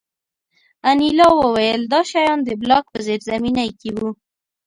انیلا وویل دا شیان د بلاک په زیرزمینۍ کې وو